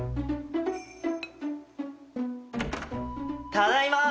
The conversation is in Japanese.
・ただいま！